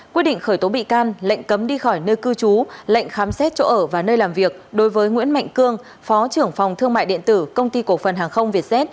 quyết định khởi tố bị can lệnh cấm đi khỏi nơi cư trú lệnh khám xét chỗ ở và nơi làm việc đối với nguyễn mạnh cương phó trưởng phòng thương mại điện tử công ty cổ phần hàng không việt z